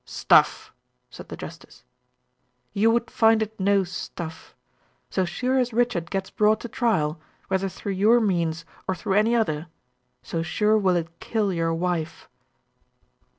"Stuff!" said the justice. "You would find it no 'stuff.' So sure as Richard gets brought to trial, whether through your means, or through any other, so sure will it kill your wife."